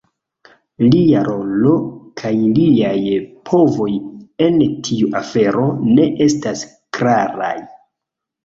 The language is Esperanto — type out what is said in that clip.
Lia rolo kaj liaj povoj en tiu afero ne estas klaraj.